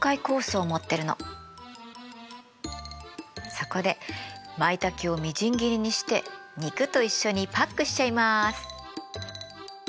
そこでマイタケをみじん切りにして肉と一緒にパックしちゃいます。